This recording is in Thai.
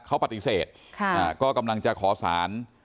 เขาปฏิเสธก็กำลังจะขอสาร